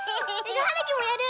じゃはるきもやる。